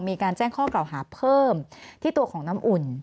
มีการแจ้งข้อกล่าวหาเพิ่มที่ตัวของน้ำอุ่น